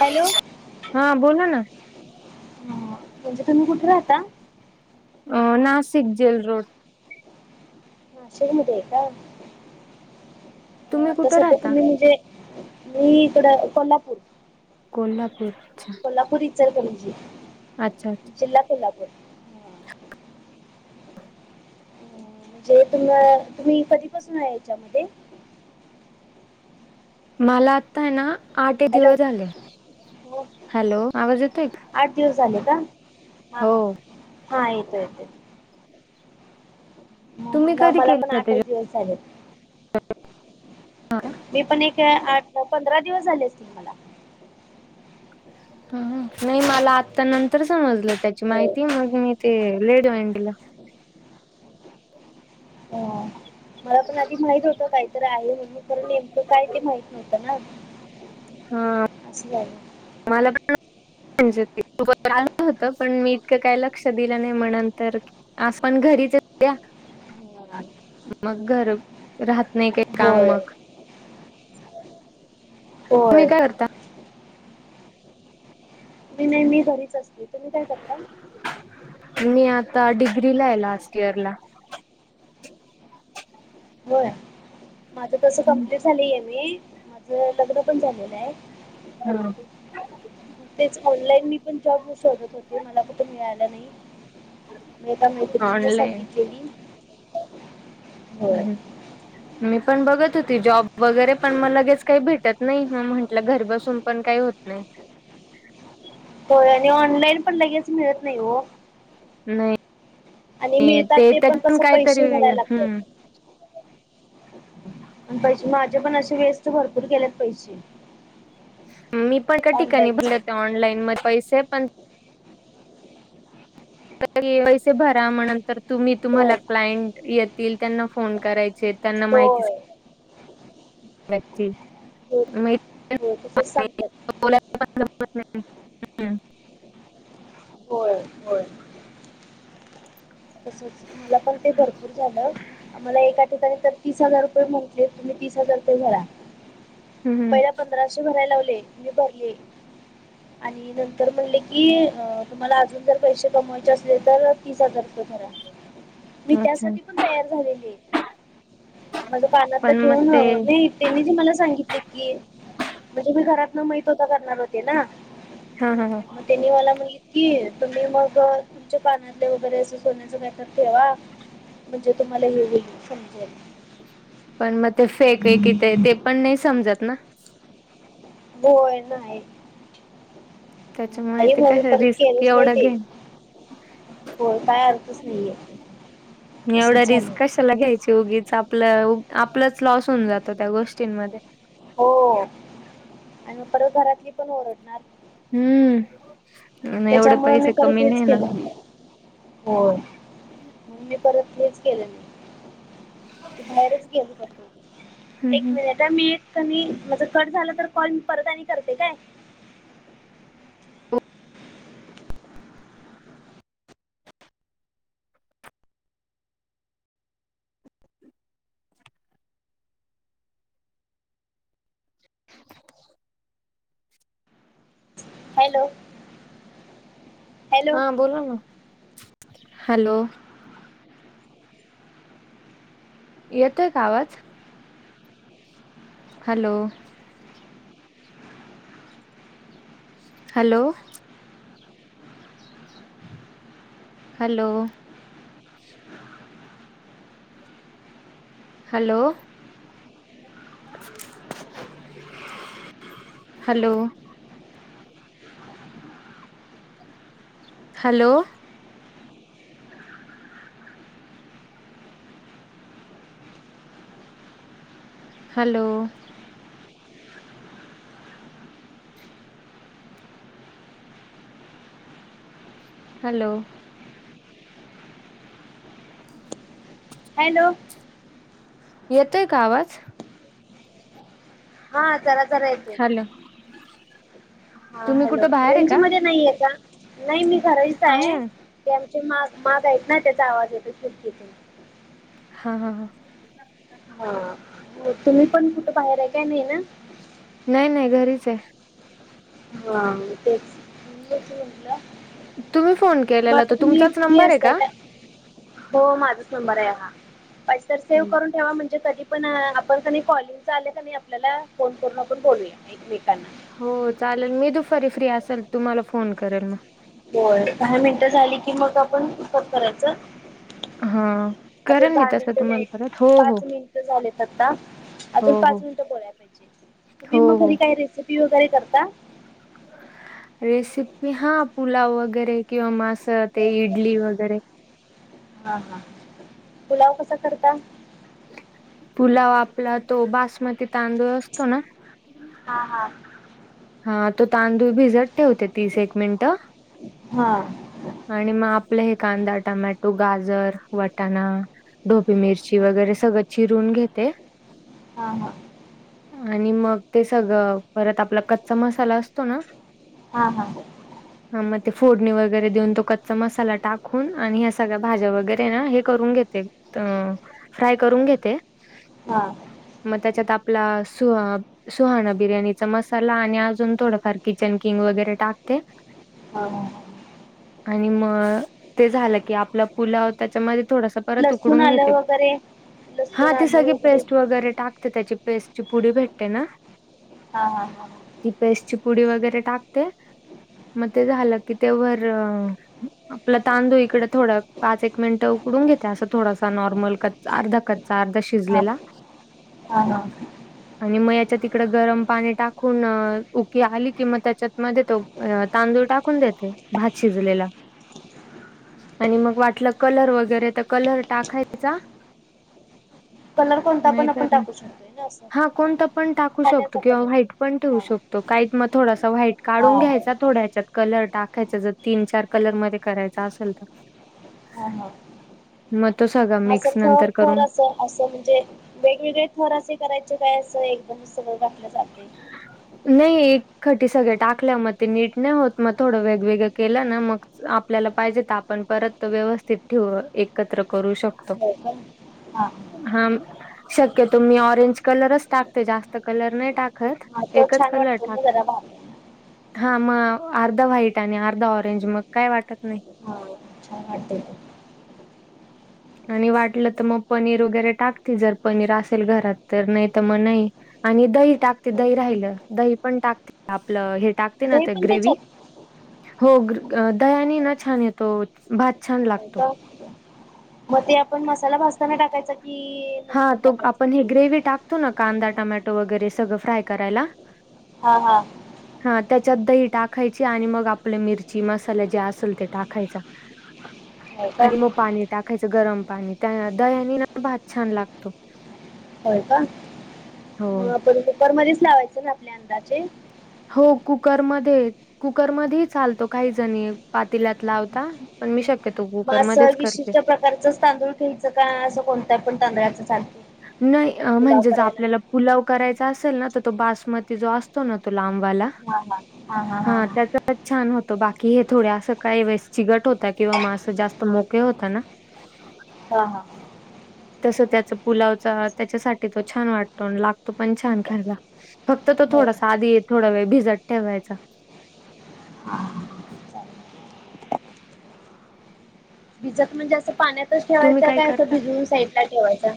Hello हा बोला ना म्हणजे तुम्ही कुठे राहता अ नाशिक जेल रोड नाशिकमध्येध्ये आहे का तुम्ही आता कुठे सध्या राहता? तुम्ही म्हणजे मी इकड कोल्हापूर कोल्हापूरच्या कोल्हापूर इचल करंजी अच्छा जिल्हा कोल्हापूर अं, म्हणजे तुम्हाला तुम्ही कधीपासून आहे याच्यामध्ये मला आत्ता आहे ना आठ हॅलो दिवस झाले हो, हॅलो आवाज येतोय आठ दिवस झाले का हां हो हां हां येतो येते म तुम्ही मला कधी मला पण केलं ते आठच दिवस झाले हा का हा, मी पण एक आठ पंधरा दिवस झाले असतील मला नाही मला आता नंतर समजलं त्याची हो माहिती मग मी ते लेट मईंडला हो मला पण आधी माहित होत काहीतरी आहे म्हणून तर नेमकं काय ते माहित नव्हतं ना हा असं झालं मला पण म्हणजे ते खर आलं होत पण मी इतकं काही लक्ष दिलं नाही म्हणंत आपण घरीच मग घर राहत नाही काही काम होय मग तुम्ही होय काय करता नाही मी घरीच असते तुम्ही काय करता मी आता डिग्री ला आहे लास्ट इयर ला हो माझं तस कमप्लीट झालं आहे मी माझ लग्न पण झालेलं आहे. हा. तेच ऑनलाईन मी पण जॉब शोधत होते मला कठ मिळाला नाही. मीहता मैत्रिणींना ऑनलाईन सांगितलेली होय हम् हम्. मी पण बघत होती जॉब वगैरे पण मग लगेच काही भेटत नाही मग म्हंटलं घर बसून पण काही होत नाही. हो आणि ऑनलाईन पण लगेच मिळत नाही हो. नाही ते त्यात पण कायतरी वेगं हम्. प पैसे माझे पण असे वेस्ट भरपूर केलेत पैसे मी पण का ठिकाणी ऑनलाईनचे भरल ते ऑनलाईन म पैसे पण पैसे भरा म्हणंतर. तुम्ही होय तुम्हाला क्लायंट येतील त्यांना फोन करायचे त्यांना माहिती होय हो हो तसंच [unintelligible] सांगतात [unintelligible] होय होय. तसच मला पण ते भरपूर झालं. आमला एका ठिकाणी तर तीस हजार रुपये म्हहिटले तुम्ही तीस हजार रुपये झाला. हम्म पहिला पंधराशे भरायला लावले मी भरले आणि नंतर म्हटले की तुम्हाला अजून जर पैसे कमवायचे असले तर तीस हजार घरा मी अच्छा त्यासाठी पण तयार झालेली आहे माझ पानात तर पण मग ठेवून ते नाही. त्यांनी ते मला सांगितलेत की म्हणजे मी घरात न माहित होता करणार. ना हा हा हा मग त्यांनीवाला म्हण. कि तुम्ही मग तुमच्या कानातले वगैरे सोन्याचा वेटर ठेवा म्हणजे तुम्हाला हे होईल समजेल. पण मग ते फेक वेक इथ ते पण नाही समजत ना. होय ना. त्याच्यामुळे नाही ते म मी काय परत रिस्क केलच नाही एवढं ते घे हो काय अर्थच नाहीे. एवढं रिस्क क घ्यायची उगीच आपलं आपलंच लॉस होऊन जातो त्या गोष्टींमध्ये हो आणि परत घरातली पण ओरडणार. हम्म एवढे त्याच्यामुळ मी पैसे परत कमी हेच नाही ना केलं. हो म मी परत हेच केलं ना. बाहेरच गेल एक हम्म मिनिट त्या मी एक कमी माझ कट झालं तर कॉल परत आणि करते काय [unintelligible] हॅलो. हॅलो हा बोला ना हॅलो. येतय का आवाज hello. Hello. Hello hello hello hello hello hello hello येतोय का आवाज, हा जरा तरा येतोय. ह हा हॅलो रेंज मध्ये नाहीये का नाही मी करायचं आहे. माग मागा येत ना त्याचा आवाज येतो शुर्कीत हा हा हा. हा तुम्ही पण कुठं बाहेर आहे काय नाही ना. नाही नाही घरीच आहे. हा तेच म्हटलं तुम्ही फोन मग केलेला आता तो तुम्ही तुमचाच फ्री नंबर आहे असताय का, हो माझाच नंबर आहे हाण सेव्ह करून ठेवा म्हणजे त, पण आपण कध कॉलिंग आले क आपल्याला फोन करून आपण बोलूया एकमेकांना, हो चालेल मी दु फारी फ्री असेल तुम्हाला फोन करेल मग, बर काही मिनटं झाली की मग आपण उतप करायचं. हां, आता करेन मी दहा तसं मिनिट नाही तुम्हाला परत. हो, पाच हो. मिनिट झालेत आता, अजून हो, हो. पाच मिनिटं बोलाय पाहिजे तुम्ही हो, मग घरी हो. काय रेसिपी वगैरे करता. रेसिपी हा पुलाव वगैरे किंवा मास ते इडली वगैरे, हा हा पुलाव कसा करता. पु पुलाव आपला तो बासमती तांदूळ असतो ना, हा हा. हा तो तांदूळ भिजत ठेवते तीस एक मिनिट. हा आणि मग आपलं हे कांदा टमॅटो गाजर वटाणा, ढोपी मिरची वगैरे सगळं चिरून घेते. हा हा आणि मग ते सगळं परत आपला कच्चा मसाला असतो ना. हा हा हा मग ते फोडणी वगैरे देऊन तो कच्चा मसाला टाकून आणि ह्या सगळ्या भाज्या वगैरे ना हे ून घेते फ्राय करून घेते हा मग त्याच्यात आपला सुहा सुहाणा बिर्याणीचा मसाला, आणि अजून थोडंफार किचन किंग वगैरे टाकते. हो आणि मग ते झालं की आपला पुलाव त्याच्यामध्ये थोडासा, लसूण उकडून घ आलं वगैरे हा लसूण सग आलं वगैरे पेस्ट वगर टाकते. तर त्याची पेस्ट ची पुडी भेटते ना. हा हा हा ती पेस्टची पुडी वगैरे टाकते मग ते झालं की ते व, आपला तांदूळ इकडे थोडं पाच एक मिनट उकडून घेते असं थोडासा नॉर्मल कच् अर्धा कचा, अर्धा हा शिजलेला हा हा आणि मग याच्या तिकड गरम पाणी टाक, खून उकी आली कि मग त्याच्यात मध्ये तो तांदूळ टाकून देते भात शिजलेला, ह आणि मग वाटलं कलर वगैरे तर कलर टाकायचा ‌ कलर कोणता नाही पण आपण तर टाकू शकतोय ना असं हा कोणत पण टाकू शकतो खाण्याचा कलर किंवाट पण ण ठे हा शकतो काही मग थोडासा व्हाईट हा काढून घ्यायचा तोडायच्यात कलर टाकायचा जर तीन चार कलर मध्ये करायचा असेल तर हा हा मग तो सगळा असं मिक्स थर नंतर करून थर असं असं म्हणजे, वेगवेगळे थर असे करायचे काय असं एकदम सगळं घाकलं जाते नाही एक खटी सगळे टाकल्या मग ते नीट नाही होत मग थोडं वेगवेगळं केलं ना मग आपल्याला पाहिजे तर आपण परत व्यवस्थित ठेव एकत्र करू शकतो हा हा शक्य तुम्ही ऑरेंज कलरच टाकत जास्त कलर नाही टाकत हा तो एकच छान कलर वाटतो ना टाकते जरा भाताला. हा मग अर्धा व्हाईट आणि अर्धा ऑरेंज मग काय वाटत नाही वाट आणि वाटलं तर मग पनीर वगैरे टाकते जर पनीर असेल घरात तर नाही तर मग नाही. आणि दही टाकते होय दही का? राहिलं दही पण टाकते आपलं हे. टाकते ना दही पण ग्रे त्याच्यात? हो दयानी छ य. तो भात छान हो लागतो. का? मग ते आपण मसाला भजताना टाकायचा कि. हा तो आपण हे ग्रेव् टाकतो ना कांदा टमॅटो वगैरे सगळं फ्राय करायला. हा हा. हा त्याच्यात दही टाकायची आणि मग आपल्या मिरची मसाला जे असेल ते टाकायचा. [inaudible] का? आणि मग पाणी टाकायचं गरम पाणी त्या दयानी ना भात छान लागतो. होय का हो. आपण कुकर मध्येच लावायचं ना आपल्या अंदाचे. हो कुकरमध्येध्ये कुकरमध्येध्येही चालतो काही जणी पातीलात लावता. पण मी शक्यतो कुकरमध्येध्येच करते. खरच तांदूळ ख्यायचं काय असं कोणत पण तांदळाचं ख. नाही म्हणजेच आपल्याला. पुलाव करायचा असेल ना तर तो बासमती जो असतो ना तो लांबाला. हा हा हा हा हा हा. तरच छान होतं बाकी हे थोड असं काही वेळेस चिगट होत किंवा मा असं जास्त मोके होतं ना. हा हा. तस त्याच पुलावचा त्याच्यासाठी तो छान वाटतो लागतो पण छान खायला. फक्त तो हो थोडा साधी थोडा वेळ भिजत ठेवायचा. हा भिजत म्हणजे असं पाण्यातच ठेवायच तुम्ही काय अस करता? भिजून साईडला ठेवायचा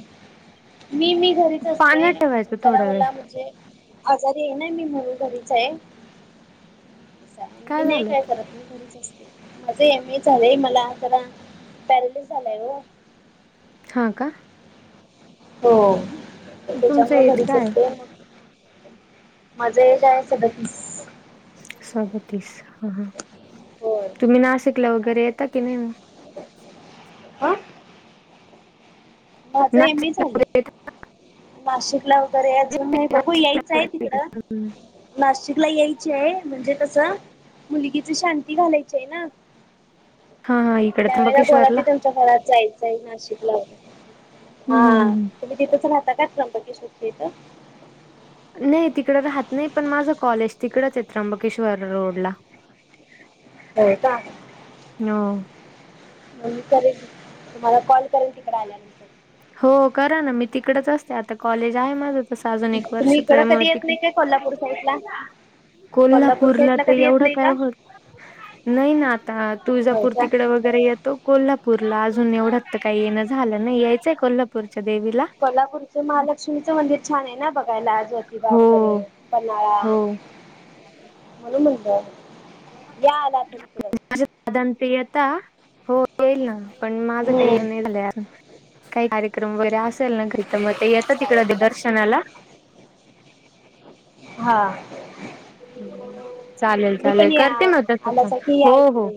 मी मी. घरीच असते पाण्यात ठेवायचं जरा थोडा वेळ. मला म्हणजे आजारी ये नाही मी म्हणून घरीच आहे. मी नाही झालं काय होत? करलती तु. माझं एम ए झालंय मला जरा पॅरेलस झालाय ग. हां का. हो तुमचं त्याच्यामु एज घरीच काय आहे? असत म. मजा जायच बकी. सगतीस ह ह होय तुम्ही नाशिकला वगैरे येता की नाही मग. हा माझ एम ए नाशिकला झाले वगैरे येता नाशिक लावकरे की अजून. नाही? बघू यायचं आहे तिकडं. नाशिकला नाशिकला यायची आहे म्हणजे कसं मुलगीची शांती घालायची आहे ना. हाा. त्यावेेळे बोला तुमच्या घरात जायचं आहे नाशिकला हम्म हम्म हा. हम्म. तुम्ही तथच राहता काात्रमप किशोती इथं. नाही तिकडं राहत नाही पण माझं कॉलेज तिकडंच आहे त्र्यंबकेश्वर रोड ला. हो का. नऊ. मगी करेल तुम्हाला कॉल करेल तिकडे आल्यानंतर. हो करा ना मी तिकडेच असते आता कॉलेज आहे माझं. तसं अजून एक तुम्ही वर्ष इकडं तरमुळे. कधी येत नाही काय कोल्हापूर साईडला कोल्हापूर कोल्हापूरला साईडला तर कधी येत एवढं नाही काय का होत नाही ना आता होय तुळजापूर का तिकडे. वगैरे येतो कोल्हापूरला अजून एवढा तर काही येणं झालं नाही यायचंय कोल्हापूरच्या देवीला. कोल्हापूरचं महालक्ष्मीचं मंदिर छान आहे ना बघायला आज. दिवा वगैरे हो. पन्हाळा हो म्हणून म्हणत. या ना आ सिकर. माझ साधणपियता हो येईल ना पण माझं काही हम्म नाही झालं. काही कार्यक्रम वगैरे असेल ना तर मग ते येतं चालेल तिकड चालेल दर्शनाला. हा. चालेल तुम्ही चालेल पण या करते ना तस फन आलासा की या हो हो. इकडे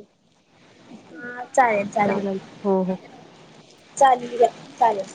हा चालेल चालेल हो हो चालेल चालेल